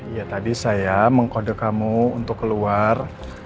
ya tadi saya mengkode kamu untuk keluar